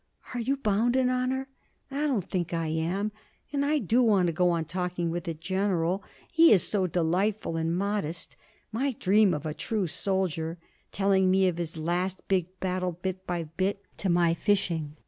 'Are you bound in honour?' 'I don't think I am. And I do want to go on talking with the General. He is so delightful and modest my dream of a true soldier! telling me of his last big battle, bit by bit, to my fishing.'